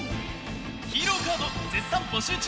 ヒーローカード絶賛募集中！